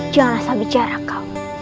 jangan rasa bicara kau